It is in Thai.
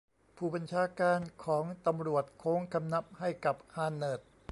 ผู้บัญชาการของตำรวจโค้งคำนับให้กับฮานเนิร์ด